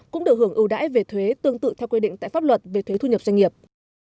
cũng được hưởng ưu đãi về thuế tương tự theo quy định tại pháp luật về thuế thu nhập doanh nghiệp